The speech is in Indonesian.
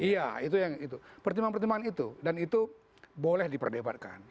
iya itu yang itu pertimbangan pertimbangan itu dan itu boleh diperdebatkan